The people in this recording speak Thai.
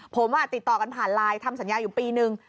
ผมติดต่อกันผ่านไลน์ทำสัญญาอยู่ปีนึง